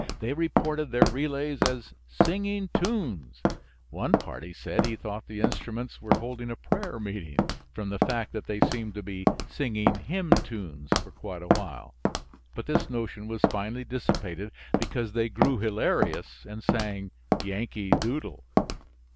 They reported their relays as singing tunes; one party said he thought the instruments were holding a prayer meeting from the fact that they seemed to be singing hymn tunes for quite a while, but this notion was finally dissipated, because they grew hilarious and sang "Yankee Doodle."